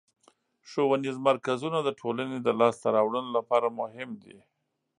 ښوونیز مرکزونه د ټولنې د لاسته راوړنو لپاره مهم دي.